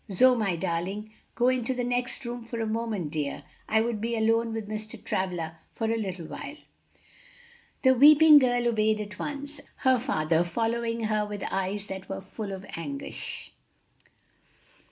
"Zoe, my darling, go into the next room for a moment, dear. I would be alone with Mr. Travilla for a little while." The weeping girl obeyed at once, her father following her with eyes that were full of anguish.